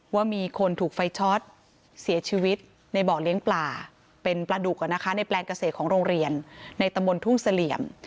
ว่ามีคนถูกไฟช็อตเสียชีวิตในบ่อเลี้ยงปลาเป็นปลาดุกในแปลงเกษตรของโรงเรียนในตำบลทุ่งเสลี่ยม